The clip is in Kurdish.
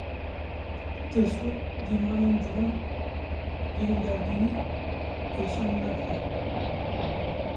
Tilskop dîmanên ciwan yên gerdûnî pêşanî me dide